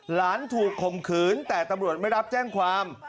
หลานถูกข่มขืนแต่ตำรวจไม่รับแจ้งความ